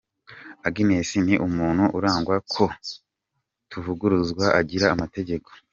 Agnes ni umuntu urangwa ko tuvuguruzwa, agira amategeko.